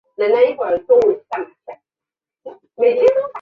獐耳细辛为毛茛科獐耳细辛属下的一个变种。